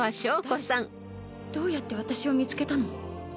「どうやって私を見つけたの？」